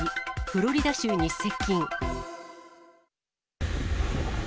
フロリダ州に接近。